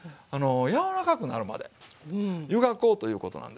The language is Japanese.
柔らかくなるまで湯がこうということなんですよ。